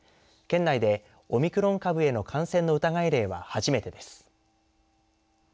県内でオミクロン株への感染の疑い例は、初めてです。